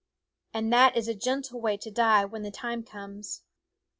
And that is a gentle way to die when the time comes.